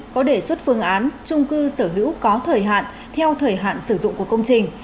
có đề xuất phương án trung cư sở hữu có thời hạn theo thời hạn sử dụng của công trình